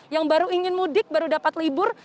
yang baru ingin mudik baru dapat libur